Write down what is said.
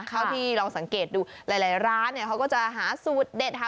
เท่าที่ลองสังเกตดูหลายร้านเนี่ยเขาก็จะหาสูตรเด็ดค่ะ